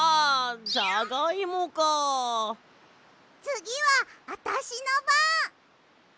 つぎはあたしのばん！